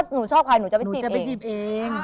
หนูชอบใครหนูจะไปจีบเอง